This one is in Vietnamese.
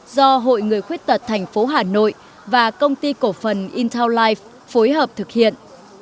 do hội người khuyết tật thành phố hà nội và công ty cổ phần intel life phối hợp thực hiện